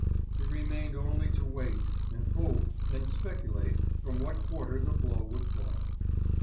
It remained only to wait and hope and speculate from what quarter the blow would fall.